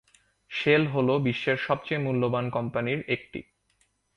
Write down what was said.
Shell হল বিশ্বের সবচেয়ে মূল্যবান কোম্পানির মধ্যে একটি।